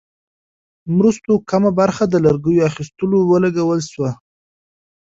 مرستو کمه برخه د لرګیو اخیستلو ولګول شوې.